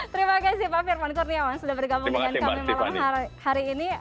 terima kasih pak firman kurniawan sudah bergabung dengan kami malam hari ini